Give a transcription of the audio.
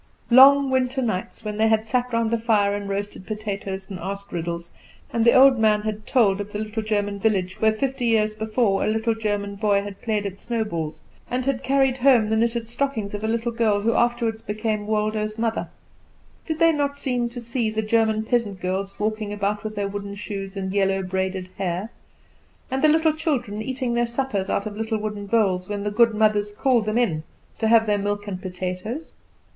Long winter nights, when they had sat round the fire and roasted potatoes, and asked riddles, and the old man had told of the little German village, where, fifty years before, a little German boy had played at snowballs, and had carried home the knitted stockings of a little girl who afterward became Waldo's mother; did they not seem to see the German peasant girls walking about with their wooden shoes and yellow, braided hair, and the little children eating their suppers out of little wooden bowls when the good mothers called them in to have their milk and potatoes?